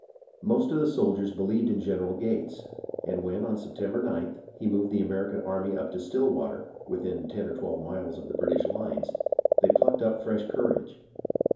Most of the soldiers believed in General Gates, and when, on September 9th, he moved the American army up to Stillwater, within ten or twelve miles of the British lines, they plucked up fresh courage.